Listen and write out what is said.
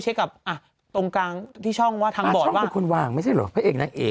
ช่องวางสิช่องวางตัวเองมั้ยหรือว่าหรือว่า